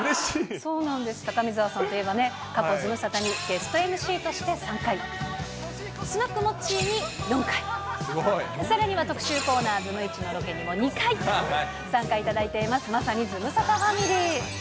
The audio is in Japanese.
そうなんです、高見沢さんといえば、過去ズムサタにゲストＭＣとして３回、スナックモッチーに４回、さらには特集コーナー、ズムいちのロケでも２回、参加いただいています、まさにズムサタファミリー。